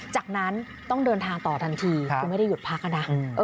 จากนั้นต้องเดินทางต่อทันทีคือไม่ได้หยุดพักนะ